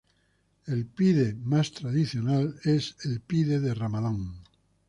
El pide más tradicional es el pide de ramadán.